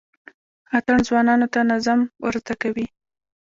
اتڼ ځوانانو ته نظم ور زده کوي.